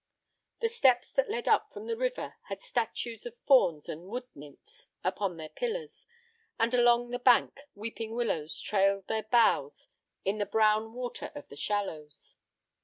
The steps that led up from the river had statues of fauns and wood nymphs upon their pillars, and along the bank weeping willows trailed their boughs in the brown water of the shallows.